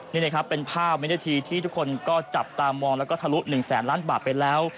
นี่นะครับเป็นภาพวินาทีที่ทุกคนก็จับตามองแล้วก็ทะลุ๑แสนล้านบาทไปแล้ว